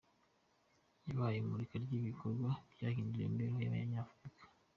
Habaye imurika ry’ibikorwa byahindura imibereho y’Abanyafurika.